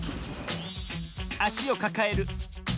あしをかかえる。